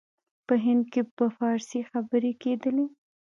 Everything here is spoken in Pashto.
په هند کې په فارسي خبري کېدلې.